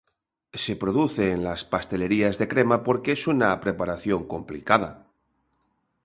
Se produce en las pastelerías de Crema, porque es una preparación complicada.